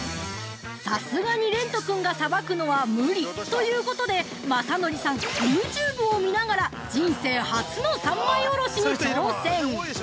さすがに蓮人君がさばくのは無理、ということで、まさのりさん、ユーチューブを見ながら人生初の三枚おろしに挑戦！